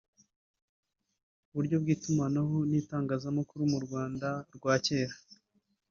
uburyo bw’Itumanaho n’itangazamakuru mu Rwanda rwa Kera